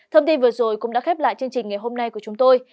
thông tin vừa rồi cũng đã khép lại chương trình ngày hôm nay của chúng tôi